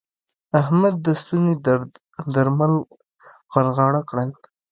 احمد د ستوني درد درمل غرغړه کړل.